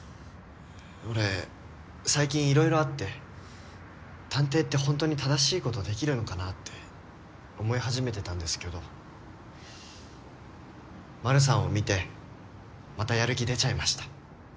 俺最近色々あって探偵ってホントに正しいことできるのかなって思い始めてたんですけど丸さんを見てまたやる気出ちゃいました。